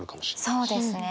そうですね。